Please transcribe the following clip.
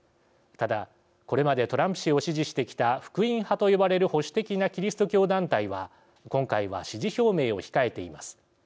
ただ、これまでトランプ氏を支持してきた福音派と呼ばれる保守的なキリスト教団体は今回は支持表明を控えています。